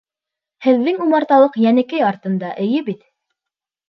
Һеҙҙең умарталыҡ Йәнекәй артында, эйе, бит?